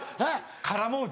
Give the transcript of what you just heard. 絡もうぜ。